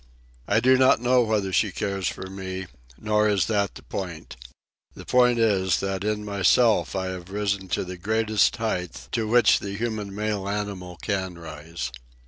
I do not know whether she cares for me. Nor is that the point. The point is that in myself I have risen to the greatest height to which the human male animal can rise.